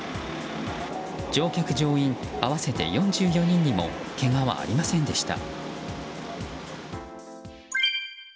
乗客・乗員合わせて４４人にもけがはありませんでした。